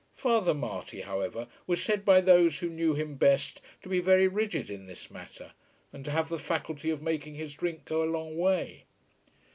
Father Marty, however, was said by those who knew him best to be very rigid in this matter, and to have the faculty of making his drink go a long way.